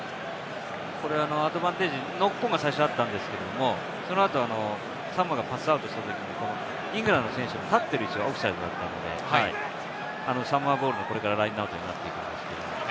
アドバンテージ、ノックオンが最初にあったんですけれど、その後、サモアがパスアウトした後にイングランドの立ってる位置がオフサイドだったので、サモアボールのラインアウトになっていきます。